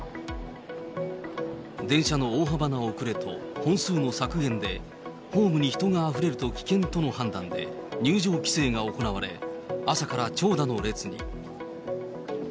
電車の大幅な遅れと、本数の削減で、ホームに人があふれると危険との判断で、入場規制が行われ、朝から長蛇の列に。